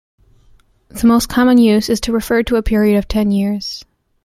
The most common use is to refer to a period of ten years.